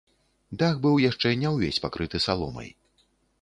Дах быў яшчэ не ўвесь пакрыты саломай.